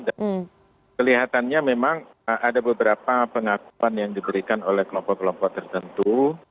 dan kelihatannya memang ada beberapa pengakuan yang diberikan oleh kelompok kelompok tertentu